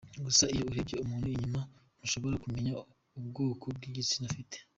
Gusa iyo urebeye umuntu inyuma ntushobora kumenya ubwoko bw’igitsina afite.